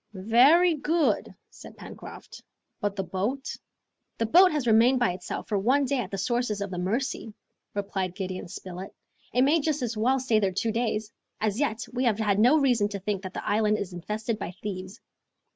"Very good," said Pencroft. "But the boat?" "The boat has remained by itself for one day at the sources of the Mercy," replied Gideon Spilett; "it may just as well stay there two days! As yet, we have had no reason to think that the island is infested by thieves!"